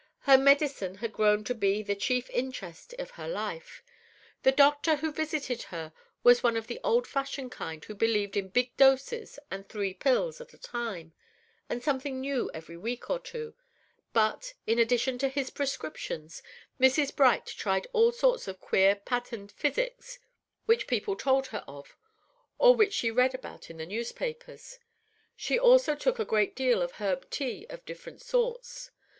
Her medicine had grown to be the chief interest of her life! The doctor who visited her was one of the old fashioned kind who believed in big doses and three pills at a time, and something new every week or two; but, in addition to his prescriptions, Mrs. Bright tried all sorts of queer patent physics which people told her of, or which she read about in the newspapers. She also took a great deal of herb tea of different sorts.